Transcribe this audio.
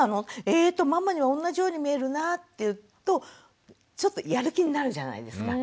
えっとママにはおんなじように見えるな」って言うとちょっとやる気になるじゃないですか。